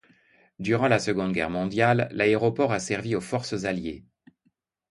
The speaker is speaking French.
Durant la Seconde Guerre mondiale, l'aéroport a servi aux forces alliées.